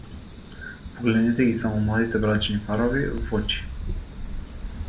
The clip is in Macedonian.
Погледнете ги само младите брачни парови в очи.